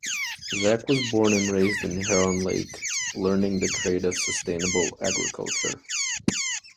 Zach was born and raised in Heron Lake learning the trade of sustainable agriculture.